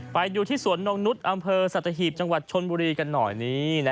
ไปดูที่สวนนงนุษย์อำเภอสัตหีบจังหวัดชนบุรีกันหน่อยนี่